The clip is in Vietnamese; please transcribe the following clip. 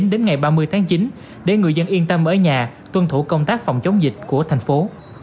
đến ngày ba mươi tháng chín để người dân yên tâm ở nhà tuân thủ công tác phòng chống dịch của thành phố